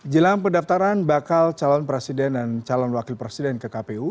jelang pendaftaran bakal calon presiden dan calon wakil presiden ke kpu